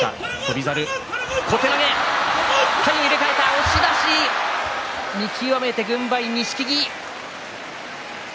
押し出し見極めて軍配は錦木。